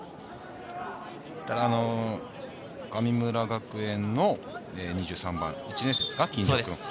神村学園の２３番、１年生ですか、金城君。